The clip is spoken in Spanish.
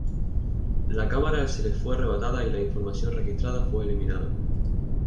La cámara se les fue arrebatada y la información registrada fue eliminada.